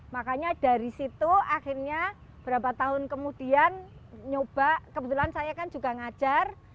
makanya dari situ akhirnya berapa tahun kemudian nyoba kebetulan saya kan juga ngajar